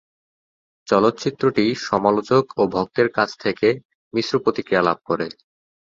চলচ্চিত্রটি সমালোচক ও ভক্তদের কাছ থেকে মিশ্র প্রতিক্রিয়া লাভ করে।